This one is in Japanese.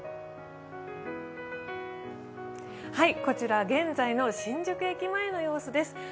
こちらは現在の新宿駅前の様子です。